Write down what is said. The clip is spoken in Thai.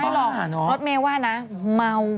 ไม่หรอกรถเมว่านะเมา